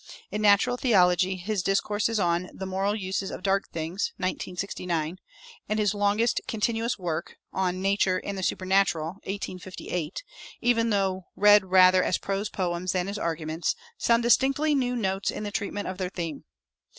In natural theology, his discourses on "The Moral Uses of Dark Things" (1869), and his longest continuous work, on "Nature and the Supernatural" (1858), even though read rather as prose poems than as arguments, sound distinctly new notes in the treatment of their theme.